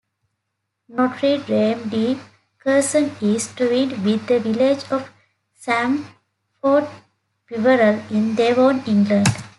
Notre-Dame-de-Courson is twinned with the village of Sampford Peverell in Devon, England.